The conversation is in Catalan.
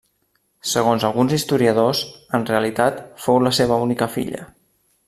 Segons alguns historiadors, en realitat fou la seva única filla.